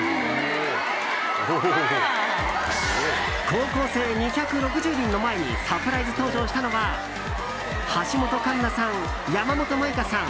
高校生２６０人の前にサプライズ登場したのは橋本環奈さん、山本舞香さん